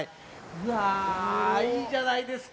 うわいいじゃないですか。